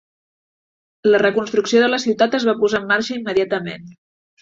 La reconstrucció de la ciutat es va posar en marxa immediatament.